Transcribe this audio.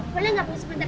bu boleh gak buat sebentar